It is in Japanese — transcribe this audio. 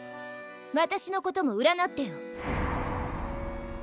私のこともうらなってよ。